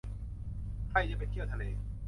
ใครจะไปเที่ยวทะเล